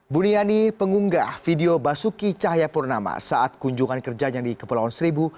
buniani pengunggah video basuki cahayapurnama saat kunjungan kerjanya di kepulauan seribu